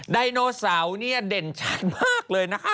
ไดโนเสาร์เนี่ยเด่นชัดมากเลยนะคะ